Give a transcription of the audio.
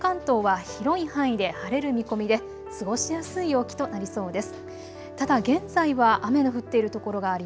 あすの関東は広い範囲で晴れる見込みで過ごしやすい陽気となりそうです。